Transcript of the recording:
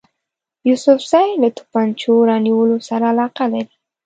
یوسفزي له توپنچو رانیولو سره علاقه لري.